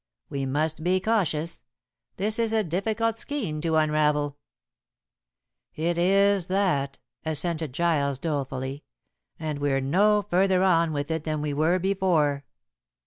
We must be cautious. This is a difficult skein to unravel." "It is that," assented Giles dolefully, "and we're no further on with it than we were before."